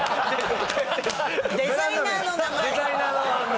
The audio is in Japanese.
デザイナーの名前。